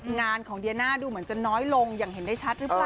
งานของเดียน่าดูเหมือนจะน้อยลงอย่างเห็นได้ชัดหรือเปล่า